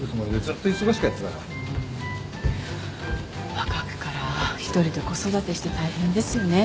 若くから１人で子育てして大変ですよね。